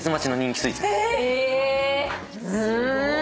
え！